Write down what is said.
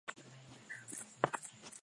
Neno/fungu la maneno